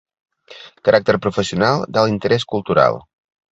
Caràcter professional d'alt interès cultural.